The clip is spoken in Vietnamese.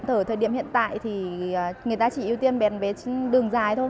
ở thời điểm hiện tại thì người ta chỉ ưu tiên bén vé đường dài thôi